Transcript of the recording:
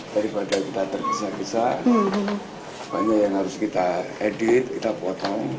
jadi pada kita tergesa gesa banyak yang harus kita edit kita potong